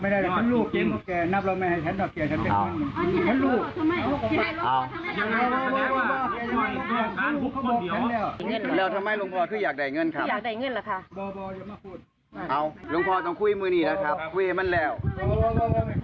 เพราะว่าหลวงพ่อบอกไม่คุยไม่คุยก็เดินจากวงไปเลยนะครับ